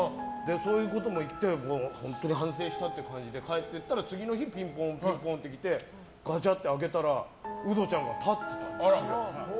そういうことも言って本当に反省したって感じで帰っていったら、次の日ピンポン、ピンポンって来てガチャって開けたらウドちゃんが立ってたんですよ。